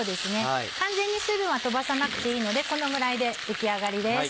完全に水分は飛ばさなくていいのでこのぐらいで出来上がりです。